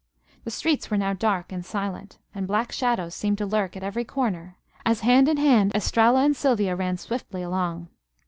The streets were now dark and silent, and black shadows seemed to lurk at every corner as, hand in hand, Estralla and Sylvia ran swiftly along.